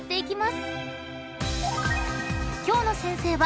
［今日の先生は］